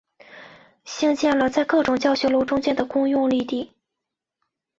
兴建了在各种教学楼中间的公用绿地。